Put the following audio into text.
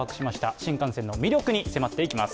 新幹線の魅力に迫っていきます。